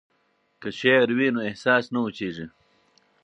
که شعر وي نو احساس نه وچیږي.